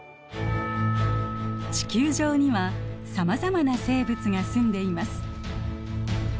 地球上にはさまざまな生物がすんでいます。